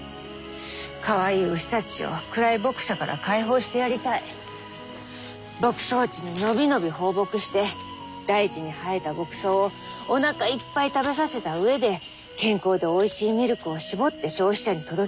かわいい牛たちを暗い牧舎から解放してやりたい牧草地に伸び伸び放牧して大地に生えた牧草をおなかいっぱい食べさせた上で健康でおいしいミルクを搾って消費者に届ける。